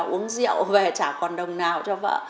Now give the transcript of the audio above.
uống rượu về chả còn đồng nào cho vợ